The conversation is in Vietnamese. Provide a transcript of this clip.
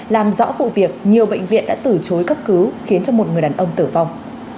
làm rõ vụ việc nhiều bệnh viện đã tử chối cấp cứu khiến một người đàn ông tử vong